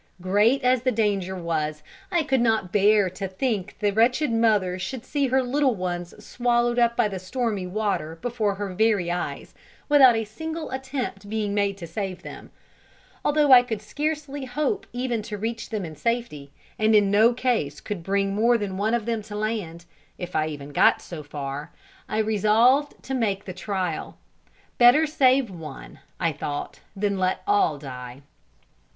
Great as the danger was, I could not bear to think the wretched mother should see her little ones swallowed up by the stormy water, before her very eyes, without a single attempt being made to save them. Although I could scarcely hope even to reach them in safety, and in no case could bring more than one of them to land at once, if I even got so far, I resolved to make the trial. Better save one, I thought, than let all die.